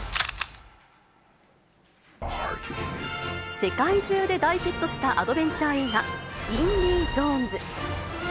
世界中で大ヒットしたアドベンチャー映画、インディ・ジョーンズ。